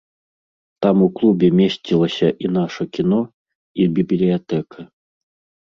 Там у клубе месцілася і наша кіно, і бібліятэка.